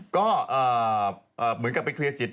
ก็เหมือนกับไปเคลียร์จิต